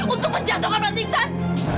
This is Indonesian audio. untuk menjatuhkan masing sang